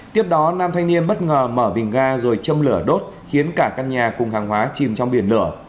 tiếp đó nam thanh niên bất ngờ mở bình ga rồi châm lửa đốt khiến cả căn nhà cùng hàng hóa chìm trong biển lửa